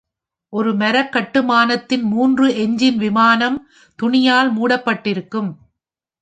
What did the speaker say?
ஒரு மர கட்டுமானத்தின் மூன்று என்ஜின் விமானம், துணியால் மூடப்பட்டிருக்கும்.